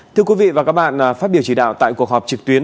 thưa quý vị và các bạn phát biểu chỉ đạo tại cuộc họp trực tuyến